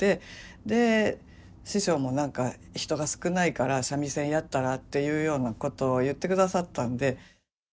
で師匠も何か「人が少ないから三味線やったら」っていうようなことを言ってくださったんで。